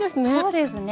そうですね。